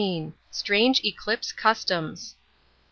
STRANGE ECLIPSE CUSTOMS.